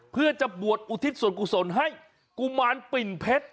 เพื่อจะบวชอุทิศส่วนกุศลให้กุมารปิ่นเพชร